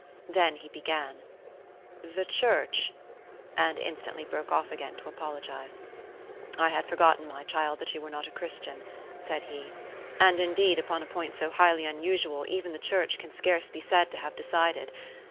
Then he began: "The church," and instantly broke off again to apologise. "I had forgotten, my child, that you were not a Christian," said he. "And indeed, upon a point so highly unusual, even the church can scarce be said to have decided.